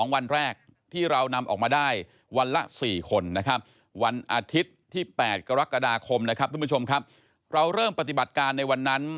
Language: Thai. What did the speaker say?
วันอาทิตย์ที่๘กรกฎาคมเราเริ่มปฏิบัติการในวันนั้น